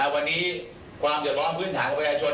วันนี้ความหยุดล้อมพื้นถังของประชาชน